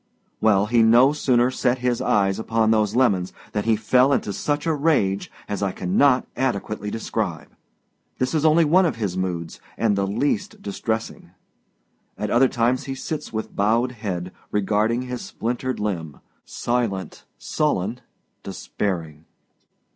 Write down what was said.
Well, he no sooner set is eyes upon those lemons than he fell into such a rage as I cannot adequately describe. This is only one of moods, and the least distressing. At other times he sits with bowed head regarding his splintered limb, silent, sullen, despairing.